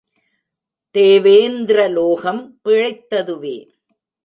தேவேந்த்ர லோகம் பிழைத்ததுவே.